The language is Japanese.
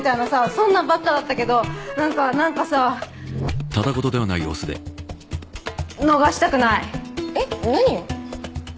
そんなんばっかだったけどなんかなんかさ逃したくないえっ？何を？